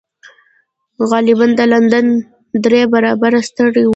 غالباً د لندن درې برابره ستر و